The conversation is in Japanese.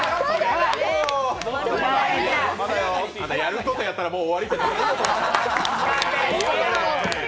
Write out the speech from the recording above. やることやったらもう終わりって。